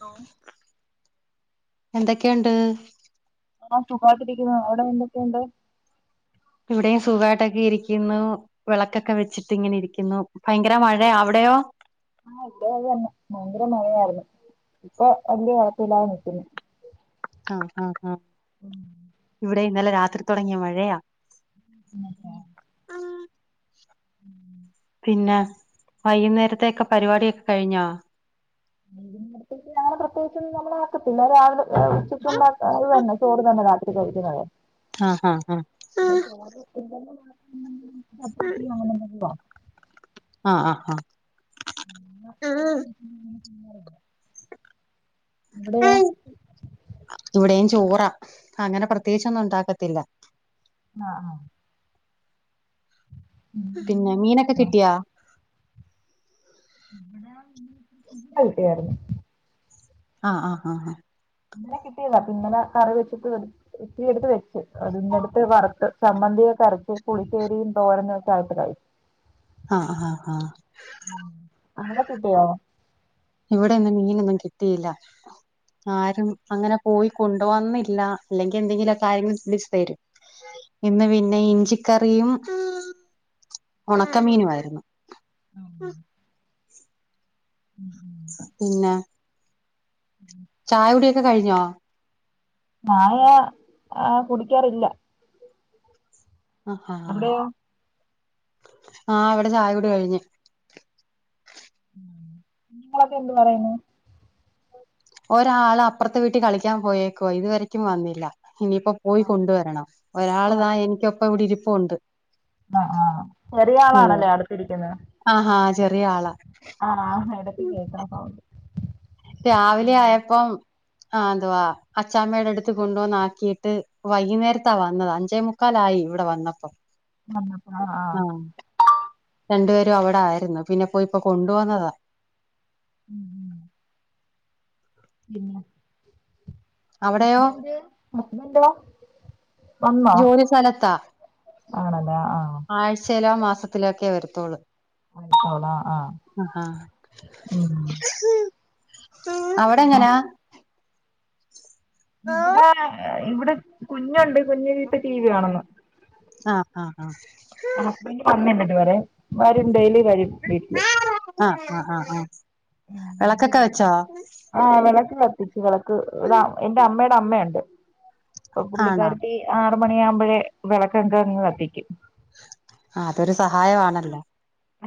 Law എന്തൊക്കൊയുണ്ട് ആ സുഖായിട്ടിരിക്കുന്നു അവിടെ എന്തൊക്കെയുണ്ട് ഇവിടെയും സുഖായിട്ടൊക്കെ ഇരിക്യുന്നു വിളക്കൊക്കെ വെച്ചിട്ട് ഇങ്ങനെ ഇരിക്കുന്നു ഭയങ്കര മഴയാ, അവിടെയോ? ആ ഇവിടെയും അത് തന്നെ ഭയങ്കര മഴയായിരുന്നു ഇപ്പൊ വല്ല്യ കൊഴപ്പില്ലാതെ നിക്കുന്നു ആ ഹാ ആ ഇവിടെ ഇന്നലെ രാത്രി തൊടങ്ങിയ മഴയാ പിന്നെത്താ പിന്നെ വൈകുന്നേരത്തൊക്കെ പരിപാടിയൊക്കെ കഴിഞ്ഞാ വൈകുന്നേരത്തേക്ക് നാളെ പ്രത്യേകിച്ചുന്ന് നമ്മള് ആക്കത്തില്ല രാവിലെ രാ ഉച്ചക്ക്‌യുണ്ടാക്ക അത് തന്നെ ചോറ് തന്നെ രാത്രി കഴിക്കെ ഞങ്ങള് ആഹ് ആഹ് പിന്നെ ചോറ് തിന്നുന്നെ [unintelligible] ചപ്പാത്തി അങ്ങനെ എന്തെങ്കിലും വാങ്ങും ആഹ് ആഹ് ആഹ് [unintelligible] ഇവടെയോ ആഹ് ഇവിടെയും ചോറാ അങ്ങനെ പ്രത്യേകിച്ചൊന്നും ഉണ്ടാക്കത്തില്ല ആഹ ആഹ് പിന്നെ മീനൊക്കെ കിട്ടിയാ. ലാ ളക്കെ കിട്ടിയർന്നു. ആഹ ആ ആഹ ആ ഇന്നലെ കിട്ടിയതാ പിന്നനെ കറി വെച്ചിവെ.. ഇത്തിരിയെടുത്ത് വെച്ച് അതിന്നടുത്ത് വറുത്ത് ചമ്മന്തിയൊക്കെരച്ച് പുളിശ്ശേരിയും തോരന്നും ആത്ത് കഴിച്ച. [inaudible] ആഹ ആഹ ആഹ ആവടെ കിട്ടിയോ. ഇവിടെയന്നും മീനൊന്നും കിട്ടിയില്ല ആരും അങ്ങനെ പോയി.. കൊണ്ടു വന്നില്ല ഇല്ലെങ്കി എന്തെങ്കിലുക്കെ ആരെങ്കിലും വിച്ച് തരും. ഇന്ന് പിന്നെ ഇഞ്ചിക്കറിയും ഉണക്കമീനുംആയിരുന്നു. ആം മ്മ്മ്മ് [inaudible] പിന്നെ.. ഉം. ചായ കുടിയൊക്കെ കഴിഞ്ഞോ. നായ ആ കുടിക്കാറില്ല. അഹ് ഹാ അബിടെ.. ആഅവിടെചായകുടി കഴിഞ്ഞ്. നിങ്ങളൊക്കെ എന്ത് പറയുന്നു. ഒരാള് അപ്പുറത്തെ വീട്ടിൽ കളിക്കാൻ പോയേക്കോ ഇത്വരക്കും വന്നില്ല ഇനിയിപ്പോ.. പോയി കൊണ്ടുവരണം. ഒരാൾ ആ താ എനിക്കൊപ്പ ഇവിടെ ഇരിപ്പുണ്ട്. ആ ആചെറിയ ആളാണല്ലേ അടുത്തിരിക്കുന്നത്. ആഹാ ചെറിയ ആളാ. ആഹ് എടക്ക് കേക്കണ് സൗണ്ട്. രാവിലെ ആയപ്പം.. ആ അഥവാ അച്ചാമ്മയുടെ അടുത്ത് കൊണ്ടുവന്നാക്കിയിട്ട് വൈകുന്നേരത്താ വന്നത് അഞ്ചേമു.. ക്കലായി ഇവിടെ വന്നപ്പം. പ്പ് ണ ന്നപ്പോ ആ ആഹ് രണ്ടു പേരും അവിടെ ആായിരുന്നു പിന്നെപ്പോയിപ്പൊ കൊണ്ട് വന്നതാ. ഉംമം പിന്നെ- അവിടെയോ ഹസ്ബൻഡ് ഹസ്ബൻഡോ.. വന്നോ ജോലി സ്ഥലത്താ ആണല്ലേ ആ ആ. ആഴ്ചയിലോ മാസ.. ത്തിലൊക്കേ വരത്തോുള്ളൂ. ആയിത്തോള ആഹ ഉം.. അവിടെ എങ്ങനാ. ഇവിടെ ഇവിടെ കുഞ്ഞുണ്ട് കുഞ്ഞീപ്പ ടി വി കാണുന്ന്. ആഹ് ആഹ് ആഹ് ഹസ്ബന്റെ വന്നിണ്ടിവിടെ വരും ഡെയിലി വരും വീട്ടില്. ആഹ് ആ ആഹ് ആഹ ഉം അന്നില്ല.. ആഹ് വിളക്ക് കത്തിച്ചു വിളക്ക്ടെ എന്റെ അമ്മയുടെ അമ്മയുണ്ട്. ഇപ്പൊ ആണോ പുള്ളിക്കരുത്തി ആറ മണിയാകുമ്പോഴേ വിളക്കക്ക അങ്ങ് കത്തിക്കും. ആ അതൊരു സഹായമാണല്ലോ.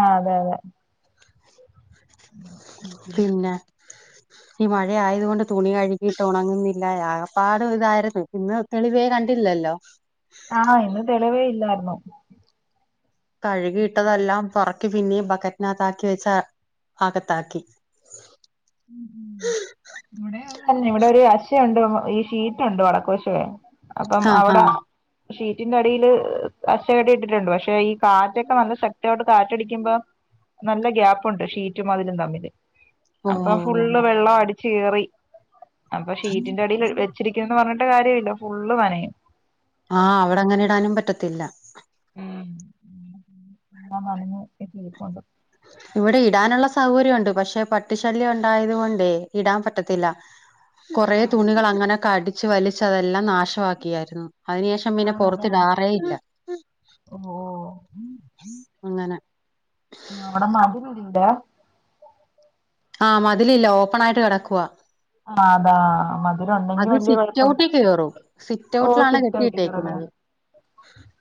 ആ അതെ അതെ. പിന്നെ [unintelligible] ഈ മഴ ആയത കൊണ്ട് തുണി കഴുകിട്ട് ഉണങ്ങുന്നില്ല ആകെപ്പാട് ഇതായിരുന്നു ഇന്ന്.. തെളിവേ കണ്ടില്ലല്ലോ. ആഹ്, ഇന്ന് തെളിവേ ഇല്ലായിരുന്നു. കഴുകിയിട്ടതെല്ലാം പൊറക്കി പിന്നിം ബക്കറ്റ്നകത്ത ആാക്കി വെച്ച അകത്താക്കി. [inaudible] ഇവടെ [unintelligible] ഇവടെ ഒരു അശ്ശയണ്ട് ഈ ഷീറ്റുണ്ട് വടക്കോശേ അപ്പം ആഹ് അവടെ ആഹ് ഷീറ്റിന്റെ അടിയില് അശടി ഇട്ടിട്ടുണ്ട് പക്ഷെ ഈ കാറ്റൊക്കെ നല്ല ശക്തയിട്ട് കാറ്റടിക്കുമ്പോ നല്ല ഗ്യാപ്പുണ്ട് ഷീറ്റും മതിലും തമ്മില്. അപ്പൊ ഫുള്ള് ഓഹ് വെള്ളം അടിച്ച് കേറി അപ്പൊ ഷീറ്റിന്റെ അടിയിൽ വെച്ചിരിക്കുന്നന്ന് പറഞ്ഞി [unintelligible] ര്യില്ല ഫുള്ള് നനയും. ആഹ്, അവടെ അങ്ങനെ ഇടാനും പറ്റത്തില്ല. [unintelligible] ഇവടെ ഇടാനുള്ള സൗകര്യണ്ട്. പക്ഷെ പട്ടി ശല്യം ഉണ്ടായത് കൊണ്ടേ ഇടാൻ പറ്റത്തില്ല. [inaudible] കൊറേ ആഹ് തുണികൾ അങ്ങനെൊക്കെ കടിച്ച് വലിച്ച് അതെല്ലാം നാശാക്കിയാരുന്നു അയ്നു ശേഷം [unintelligible] ആണല്ലേ പൊറത്തിടാറേ ഇല്ല. ഓ ഓ അങ്ങനെ. അവടെ മതിലി [unintelligible] ആഹ് മതിലില്ല ഓപ്പനായിട്ട് കടക്കുവ. ആഹ് അതാ മധുരം ഉണ്ടെങ്കി അത് വലിയ കൊഴപ്പം സിറ്റൗട്ടിൽ കേറും ഓ സിറ്റൗട്ടിലാണ് സിറ്റ [unintelligible] കെട്ടിയിട്ടേക്കുന്നത്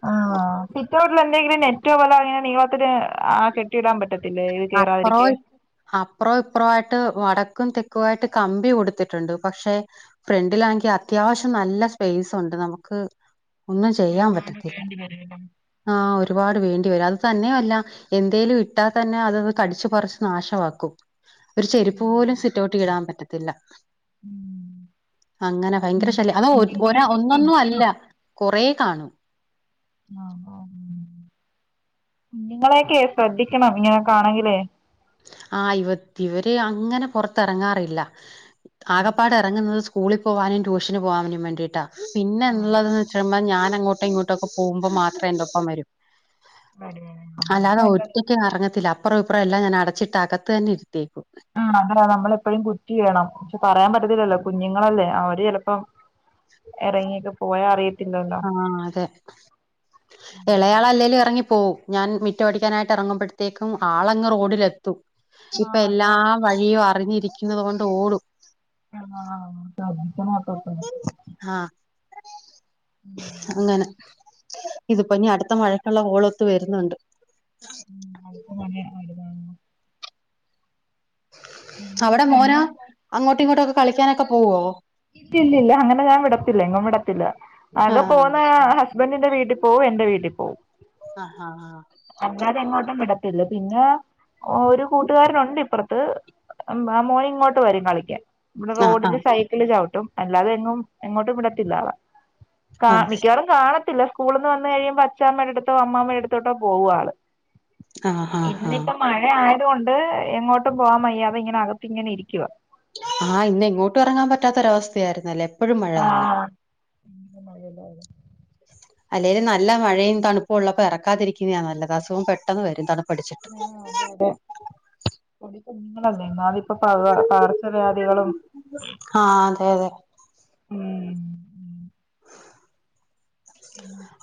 ആഹ്, സിറ്റ്ഔട്ടിൽ എന്തെങ്കിലും നെറ്റൊ പോല അങ്ങനെ നീളത്തിന് ആ കെട്ടി ഇടാൻ പറ്റത്ത് അത്രറോയ് അപ്പറം ഇപ്രായിട്ട് വടക്കും തെക്കും ആയിട്ട് കമ്പി കൊടുത്തിട്ടുണ്ട് പക്ഷെ ഫ്രണ്ടിലാങ്കി അത്യാവശ്യം നല്ല സ്പേസ് ഉണ്ട് നമുക്ക് ഒരുപാട് വേണ്ടി വരല്ലോ. ആഹ് ഒരുപാട് വേണ്ടി വരും അത് തന്നെയുല്ല എന്തേലും ഇട്ടാ തന്നെ ന്ന അത്ത് കടിച്ച്പർച്ച് നാശമാക്കും ഒരു ചെര്പ്പ് പോലും സിറ്റോട്ടി ഇടാൻ പറ്റത്തില്ല. ഉം അങ്ങനെ ഭയങ്കര കുഞ്ഞ് ശല്യം അതോ ഒരാ കുഞ്ഞുങ്ങളെയൊക്കെ ഒന്നൊന്നും അല്ല. ശ്രദ്ധിക്കണം കുറെ കാണും. നിങ്ങളെക്കെ സ്രദ്ധിക്കണം ഇങ്ങനെക്കാണെങ്കിലേ. ആഹ് ഇവ ഇവര് അങ്ങനെ പൊറത്ത് ഇറങ്ങാറില്ല. ആകപ്പാട് ഇറങ്ങുന്ന സ് സ്കൂളിൽ പോവാനും ട്യൂഷന് പോവാനും വേണ്ടീട്ടാ പിന്നെള്ളത്ന്ന് വെച്ച ന്ന ഞാന അങ്ങോട്ട ഇങ്ങോട്ടൊ ഒക്കെ പോകുബോം മാത്രം എന്റെപ്പ വരും. അതാണ് ഒറ്റക്ക് ഇറങ്ങത്തില്ല. അപ്പറും ഇപ്പറം എല്ലാം ഞാൻ അട ച്ചിട്ടാ അകത്തു തന്നെ ഇരുത്തേക്കും. ആ അതെ നമ്മളെപ്പഴും കുറ്റിടണം പറയാൻ പറ്റത്തില്ലല്ലോ കുങ്ങിങ്ങളല്ലേ അവര് ചിലപ്പോം എറങ്ങിയൊക്കേ പോയാ അറിയത്തില്ലല്ലൊ. ആഹ് അതെ. [inaudible] ഇളയാളല്ലേലും ഇറങ്ങി പോവും ഞാൻ മിറ്റ അടിക്കാനായിട്ട് ഇറങ്ങുമ്പോഴത്തേക്കും ആളങ്ങ് റോഡിലെത്തും. ഇപ്പൊ ആഹ് അതാ എല്ലാ വഴിയും അറിഞ്ഞിരിക്കുന്നത് കൊണ്ട് ഓടും. ആ [unintelligible] ആഹ്. എപ്പപ്പഴും അങ്ങനെ, ഇത്പ്പനി അട്ത്ത മഴക്കുള്ള ഹോളൊത്ത് വരുന്നുണ്ട്. [unintelligible] ഇങ്ങോട്ട് അവിടെ മോനാ വരണം അങ്ങോട്ടും ഇങ്ങോട്ടൊക്കെ കളിക്കാനൊക്കെ പോവോ? ഇല്ലില്ല അങ്ങനെ ഞാൻ വിടത്തില്ല എങ്ങും വിടത്തില്ല. ആകെ ആഹ് പോകുന്ന ഹസ്ബന്റീന്റെ വീട്ടിൽ പോവും എന്റെ വീട്ടിൽ പോവും. അഹാ ആ അല്ലാതെ എങ്ങോട്ടും വിടത്തില്ല പിന്നെ ഒരു കൂട്ടുകാരനുണ്ട് ഇപ്പർത്ത്. [unintelligible] ആ മോൻ ഇങ്ങോട്ട് വരും കളിക്യാൻ. ഇവടെ ആഹ് ആഹ് റോഡില് സൈക്കിള് ചവിട്ടും അല്ലാതെ എങ്ങും എങ്ങോട്ടും വിടത്തില്ലവള കാ ആഹ് മിക്കവാറും കാണത്തില്ല സ്കൂളിൽ നിന്ന് വന്ന് കഴിയുമ്പോ അച്ചാമ്മെടടുത്തോ അമ്മാമേടടുത്തോട്ടോ പോകും ആള് ആഹ് ആഹ് ആഹ് ആഹ് ഇന്നിപ്പം മഴ ആയതു കൊണ്ട് എങ്ങോട്ടും പോവാൻ വയ്യാതെ ഇങ്ങനെ അകത്ത് ഇങ്ങനെ ഇരിക്കുവ ആഹ് ഇന്ന് എങ്ങോട്ടും ഇറങ്ങാൻ പറ്റാത്തൊരവസ്ഥയായിരുന്നല്ലേ എപ്പഴും മഴ തന്നെ ആഹ് അല്ലേലും നല്ല മഴയും തണുപ്പും ഉള്ളപ്പോ ഇറക്കാതിരിക്കുന്നതാണ് നല്ലത് അസുഖം പെട്ടെന്ന് വരും തണുപ്പ് ആഹ് അതെ അതെ പൊടികുഞ്ഞുങ്ങളല്ലേ എന്നാലിപ്പ പക പകർച്ചവ്യാധികളും ആ അതെ അതെ ഉം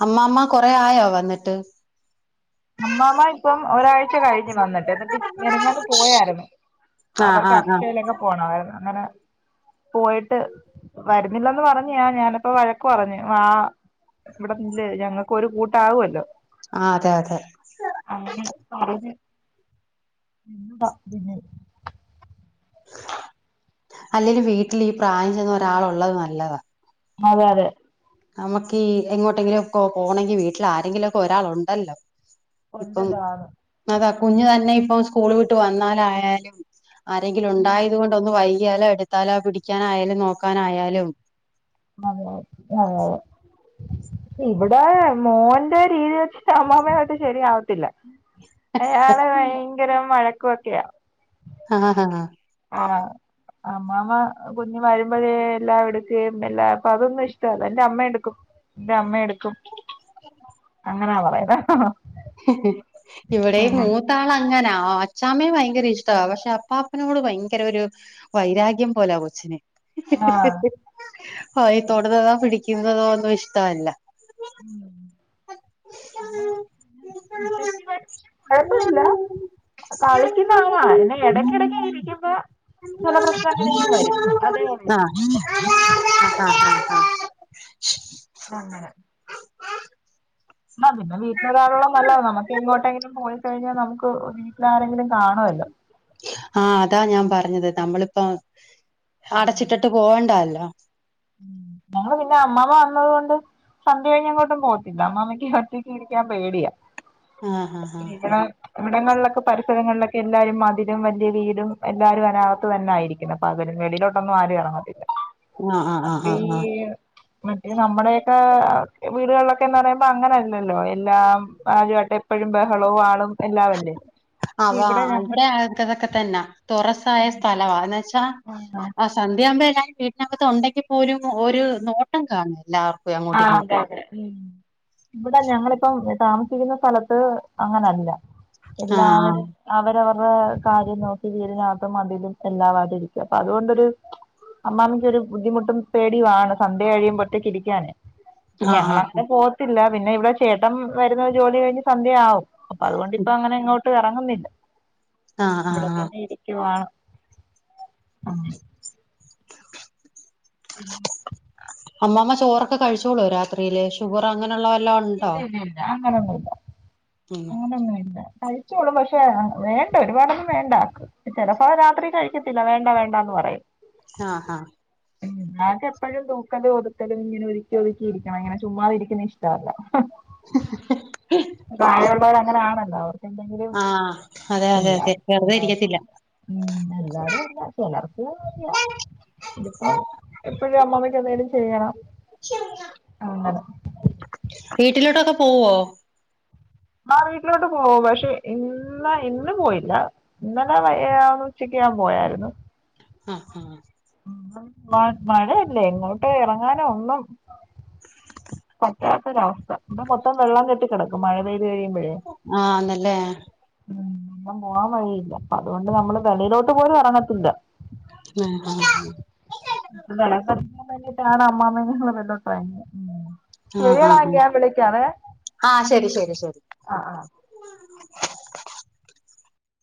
അമ്മാമ്മ കൊറേ ആയോ വന്നിട്ട് അമ്മാമ്മ ഇപ്പം ഒരാഴ്ച കഴിഞ്ഞ് വന്നിട്ട് എന്നിട്ട് മിനിഞ്ഞാന്ന് പോയായിരുന്നു ആഹ് അവർക്ക് ആഹ് ആഹ് അക്ഷയയിലൊക്കെ പോണമായിരുന്നു. അങ്ങനെ പോയിട്ട് വരുന്നില്ലന്ന് പറഞ്ഞായാ ഞാനപ്പോ വഴക്ക് പറഞ്ഞു വാ ഇവിടെ നില്ല് ഞങ്ങക്കും ഒരു കൂട്ടാകുമല്ലോ ആഹ് അതെ അതെ അങ്ങനെ പറഞ്ഞ് നിന്നതാ പിന്നെം അല്ലെലും വീട്ടില് ഈ പ്രായം ചെന്ന ഒരാളുള്ളത് നല്ലതാ അതെ അതെ നമുക്കീ എങ്ങോട്ടെങ്കിലും ഒക്കെ പോകണങ്കിൽ വീട്ടിൽ ആരെങ്കിലുമൊക്കെ ഒരാളുണ്ടല്ലോ ഇപ്പം ഉണ്ടല്ലോ ആള് അതാ കുഞ്ഞ് തന്നെ ഇപ്പം സ്കൂള് വിട്ട് വന്നാലായാലും ആരെങ്കിലും ഉം ഉണ്ടായത് കൊണ്ട് ഒന്ന് വൈകിയാലോ എടുത്താലോ പിടിക്കാനായാലും നോക്കാനായാലും അതെ [unintelligible] ഇവിടെ മോന്റെ രീതി വെച്ചിട്ട് അമ്മാമ്മയുമായിട്ട് ശരിയാവത്തില്ല അയാള് ഭയങ്കരം വഴക്കുംഒക്കെയാ ആഹ ഹ ഹാ ആഹ് അമ്മാമ്മ കുഞ്ഞ് വരുമ്പഴേ എല്ലാം എടുക്കുകയും എല്ലാ അപ്പൊ അതൊന്നും ഇഷ്ടമല്ല എന്റെ അമ്മ എടുക്കും എൻറെ അമ്മ എടുക്കും അങ്ങനാ പറയുന്നേ ഹ് ഹ് ഇവിടെയും ത്താളങ്ങനാ അച്ചാമ്മയെ ഭയങ്കര ഇഷ്ടവാ പക്ഷെ അപ്പാപ്പനോട് ഭയങ്കരഒരു വൈരാഗ്യം പോലാ കൊച്ചിന് ആഹ് ഹോയി തൊടുന്നതോ പിടിക്കുന്നതോ ഒന്നും ഇഷ്ടവല്ല ഉം [unintelligible] കുഴപ്പമില്ല കളിക്കുന്നതങ്ങാ പിന്നെ എടക്കെടക്ക് ഇരിക്കുമ്പോ ചില പ്രശ്നങ്ങളിങ്ങനെ വരും. അതേയുള്ള ആഹ് ആഹ് അങ്ങനെ ന്ന പിന്നെ വീട്ടില് ഒരാളുള്ളത് നല്ലതാണ് നമുക്ക് എങ്ങോട്ടെങ്കിലും പോയി കഴിഞ്ഞാൽ നമുക്ക് വീട്ടില് ആരെങ്കിലും കാണുമല്ലോ ആഹ് അതാ ഞാൻ പറഞ്ഞത് നമ്മളിപ്പോ അടച്ചിട്ടിട്ട് പോവേണ്ടാല്ലോ ഉം ഞങ്ങള് പിന്നെ അമ്മാമ്മ വന്നത് കൊണ്ട് സന്ധ്യ കഴിഞ്ഞെങ്ങോട്ടും പോകത്തില്ല അമ്മാമ്മക്ക് ഒറ്റക്കി രിക്കാൻ പേടിയാ ആഹ് ആഹ് ഇവടെ ഇവിടങ്ങളിലൊക്കെ പരിസരങ്ങളിലൊക്കെ എല്ലാരും മതിലും വലിയ വീടും എല്ലാവരും അതിനകത്തു തന്നായിയിരിക്കും ഇപ്പം പകലും വെളയിലോട്ടൊന്നും ആരും ഇറങ്ങത്തില്ല ആഹ് ആഹ് ആഹ് ആഹ് അപ്പീ ആഹ് ആഹ് മറ്റേ നമ്മടെയൊക്കെ വീടുകളിലൊക്കെന്ന് അറയുമ്പോ അങ്ങനല്ലല്ലോ എല്ലാം പാചകക്കെ എപ്പഴും ബഹളവും ആളും എല്ലാവല്ലേ അതാ ഇവിടെ ആതൊക്കെ തന്നെ തുറസായ സ്ഥലമാ എന്ന് വച്ചാ ഉണ്ടോ? ആ സന്ധ്യയാകുമ്പോ എല്ലാവരും വീടിനകത്ത് ഉണ്ടെങ്കി പോലും ഒരു നോട്ടം കാണും എല്ലാവർക്കും അങ്ങോട്ടും ആഹ് അതെ ഇങ്ങോട്ടും അതെ ഉം ഇവിട ഞങ്ങളിപ്പം താമസിക്കുന്ന സ്ഥലത്ത് അങ്ങനല്ല ആഹ് എല്ലാവരും അവരവരുടെ കാര്യം നോക്കി ഇങ്ങന അതും അതിലും എല്ലാവാതിരിക്കുക അപ്പൊ അതുകൊണ്ടൊരു അമ്മമ്മിയ്ക്കൊരു ബുദ്ധിമുട്ടും പേടിയും ആണ് സന്ധ്യ കഴിയുമ്പോറ്റേക്ക് ഇരിക്കാന് പിന്നെ ആഹ് ആഹ് ഞങ്ങങ്ങനെ പോകത്തില്ല പിന്നെ ഇവിടെ ചേട്ടൻ വരുന്ന ജോലി കഴിഞ്ഞ് സന്ധ്യയാവും അപ്പൊ അതുകൊണ്ടിപ്പ അങ്ങനെ എങ്ങോട്ടും ഇറങ്ങുന്നില്ല ആഹ് ആഹ് ഇവിടെ ആഹ് ആഹ് തന്നെ ഇരി ക്കുവാണ് ഉം [inaudible] അമ്മാമ്മ ചോറൊക്കെ കഴിച്ചോളോ രാത്രീല് ഷുഗറോ അങ്ങനുള്ളവല്ലോ ഒ ഇല്ല ഇല്ല ഇല്ല അങ്ങനൊന്നുല്ല ഉം അങ്ങനൊന്നുല്ല കഴി [inaudible] പക്ഷെ വേണ്ട ഒരുപാടൊന്നും വേണ്ട അവക്ക് ചിലപ്പോ രാത്രി കഴിക്കത്തില്ല വേണ്ട വേണ്ടന്ന് പറയും ആഹ് അഹ് ഉം ഉമ്മാക്ക് എപ്പോഴും തൂക്കലും ഒതുക്കലും ഇങ്ങനെ ഒരുക്കി ഒതുക്കിയിരിക്കണം അങ്ങനെ ചുമ്മാതിരിക്കുന്നെ ഇഷ്ടമല്ല പ്രായമവർ അങ്ങനെ ആണല്ലോ അവർ ആഹ് അതെ അതെ അതെ വെറുതെ എല്ലാരും ഇരിക്കത്തില്ല ഉം എല്ലാരും അല്ല ചിലർക്ക് നല്ലയ ഇത് ഇപ്പം എപ്പഴും അമ്മമ്മക്ക് എന്തെലും ചെയ്യണം അങ്ങനെ വീട്ടിലോട്ടൊക്കെ പോവോ ആഹ് വീട്ടിലോട്ട് പോവും പക്ഷെ ഇന്ന് ഇന്ന് പോയില്ല ഇന്നലെ വയ്യ ഉച്ചക്ക് ഞാൻ പോയായിരുന്നു ആഹ് ഹ ഉം മാ മഴയല്ലേ ഇങ്ങോട്ട് ഇറങ്ങാനോ ഒന്നും പറ്റാത്തൊരവസ്ഥ ഇവിടെ മൊത്തം വെള്ളം കെട്ടി കിടക്കും മഴ പെയ്ത് കഴുമ്പോഴേ ആന്നല്ലേ ഉം പോകാൻ വഴിയില്ല അതുകൊണ്ട് നമ്മള് വെളയിലോട്ട് പോലും എറങ്ങതില്ല ആഹ് ആഹ് ആഹ് [unintelligible] വലിയ പാടാ അമ്മാമ്മയെ [unintelligible] ആഹ് ശരിയെട ആഹ് ആഹ് എങ്കി ഞാൻ വിളിക്കാവെ ആഹ് ശരി ശരി ശരി ആഹ് ആഹ്